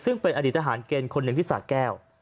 ซึ่งเป็นอดีตทหารเกณฑ์คนหนึ่งที่สาแก้ว